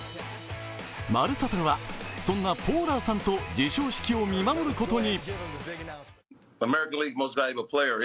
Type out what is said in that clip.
「まるサタ」はそんなポーラーさんと授賞式を見守ることに。